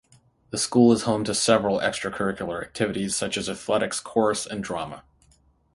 The school is home to several extracurricular activities such as athletics, chorus and drama.